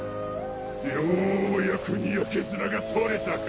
ようやくにやけ面が取れたか。